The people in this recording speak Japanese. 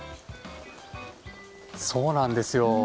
そうなんですよ。